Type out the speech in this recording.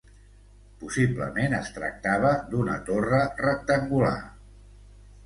Possiblement es tractava d'una torre rectangular.